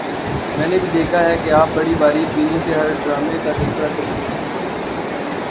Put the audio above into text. میں نے بھی دیکھا ہے کہ آپ بڑی باریک بینی سے ہر ڈرامے کا تبصرہ کرتی ہیں